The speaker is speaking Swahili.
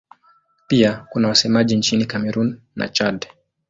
Pia kuna wasemaji nchini Kamerun na Chad.